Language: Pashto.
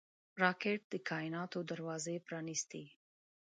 راکټ د کائناتو دروازې پرانېستي